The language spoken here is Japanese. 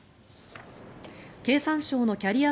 経産省のキャリア